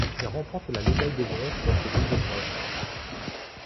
Il remporte la médaille de bronze pour ces deux épreuves.